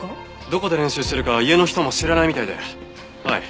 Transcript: どこで練習してるかは家の人も知らないみたいではい。